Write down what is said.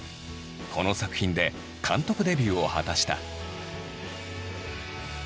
この作品で監督デビューを果たした。